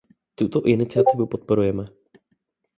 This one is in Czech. Tuto iniciativu podporujeme.